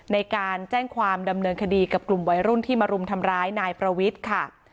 ในการแจ้งความดำเนินคดีกับกลุ่มวัยรุ่นที่มารุมทำร้ายนายประวิทย์ค่ะ